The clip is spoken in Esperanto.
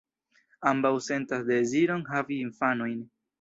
Ambaŭ sentas deziron havi infanojn.